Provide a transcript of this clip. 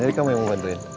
jadi kamu yang mau bantuin